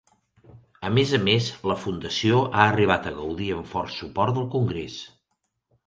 A més a més, la fundació ha arribat a gaudir amb fort suport del Congrés.